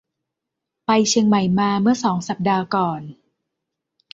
ไปเชียงใหม่มาเมื่อสองสัปดาห์ก่อน